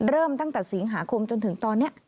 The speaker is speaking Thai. เริ่มตั้งแต่สิงหาคมจนถึงตอนนี้